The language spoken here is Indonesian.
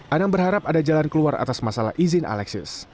anang berharap ada jalan keluar atas masalah izin alexis